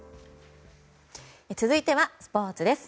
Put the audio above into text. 続いてはスポーツです。